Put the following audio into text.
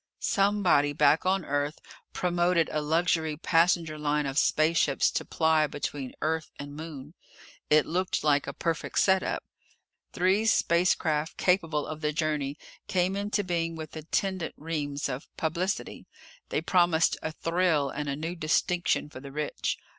Somebody back on Earth promoted a luxury passenger line of spaceships to ply between Earth and Moon. It looked like a perfect set up. Three spacecraft capable of the journey came into being with attendant reams of publicity. They promised a thrill and a new distinction for the rich.